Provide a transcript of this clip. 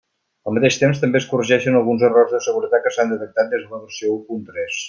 Al mateix temps, també es corregeixen alguns errors de seguretat que s'han detectat des de la versió u punt punt tres.